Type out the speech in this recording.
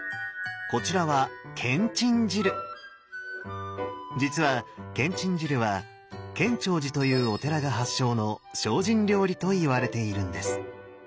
こちらは実はけんちん汁は建長寺というお寺が発祥の精進料理といわれているんです。